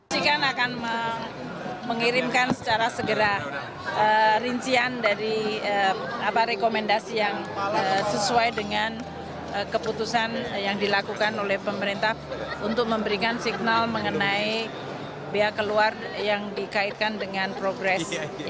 sikan akan mengirimkan secara segera rincian dari rekomendasi yang sesuai dengan keputusan yang dilakukan oleh pemerintah untuk memberikan signal mengenai biaya keluar yang dikaitkan dengan progres